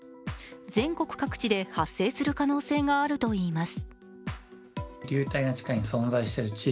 全国各地で発生する可能性があるといいます。